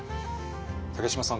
竹島さん